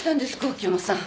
秋山さん。